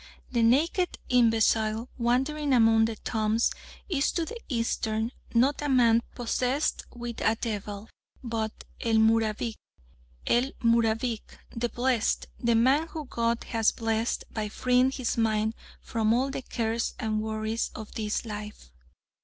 The naked imbecile wandering among the tombs is to the Eastern not a "man possessed with a devil," but "el Mubarik." El Mubarik! The Blessed! The man whom God has blessed by freeing his mind from all the cares and worries of this life.